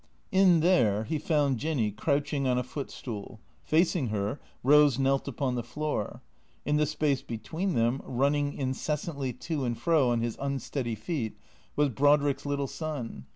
In there he found Jinny crouching on a footstool ; facing her, Eose knelt upon the floor. In the space between them, running incessantly to and fro on his unsteady feet, was Brodrick's little son.